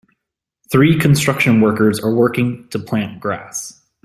Three construction workers are working to plant grass